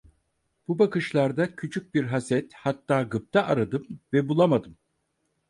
Bu bakışlarda küçük bir haset, hatta gıpta aradım ve bulamadım.